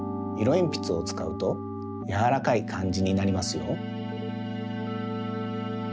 えんぴつをつかうとやわらかいかんじになりますよ。